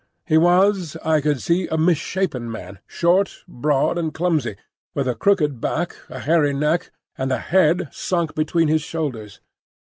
He was, I could see, a misshapen man, short, broad, and clumsy, with a crooked back, a hairy neck, and a head sunk between his shoulders.